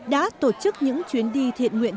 đã tổ chức những chuyến đi thiện nguyện